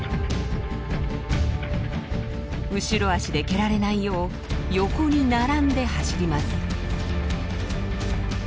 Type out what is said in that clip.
後ろ足で蹴られないよう横に並んで走ります。